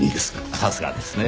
さすがですねぇ。